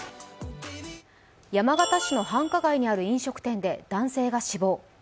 山形市の繁華街にある飲食店で男性が死亡。